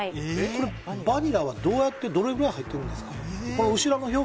これバニラはどうやってどれぐらい入ってるんですか？